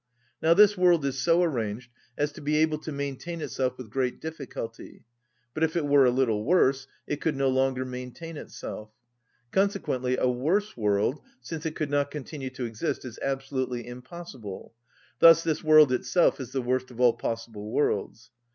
Now this world is so arranged as to be able to maintain itself with great difficulty; but if it were a little worse, it could no longer maintain itself. Consequently a worse world, since it could not continue to exist, is absolutely impossible: thus this world itself is the worst of all possible worlds.